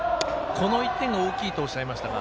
この１点が大きいとおっしゃいましたが。